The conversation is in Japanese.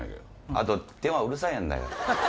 あと、電話うるさいんだよ。